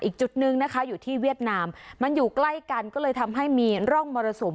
อีกจุดนึงนะคะอยู่ที่เวียดนามมันอยู่ใกล้กันก็เลยทำให้มีร่องมรสุม